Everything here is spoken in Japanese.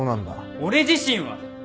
俺自身は。